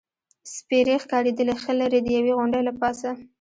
سپېرې ښکارېدلې، ښه لرې، د یوې غونډۍ له پاسه.